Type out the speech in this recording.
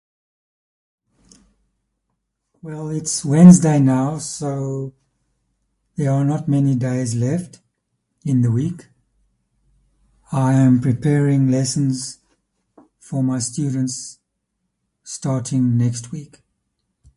Well, its Wednesday now, so there are not many days left in the week. I'm preparing lessons for my students, starting next week.